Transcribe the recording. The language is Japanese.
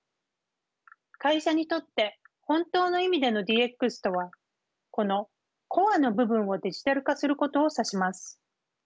会社にとって本当の意味でのＤＸとはこのコアの部分をデジタル化することを指します。